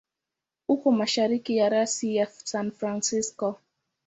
Uko mashariki ya rasi ya San Francisco.